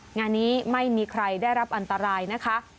งานนี้ไม่มีใครได้รับอันตรายนะคะ